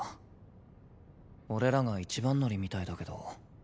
俺らが一番乗りみたいだけど。